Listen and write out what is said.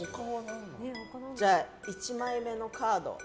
じゃあ、１枚目のカード。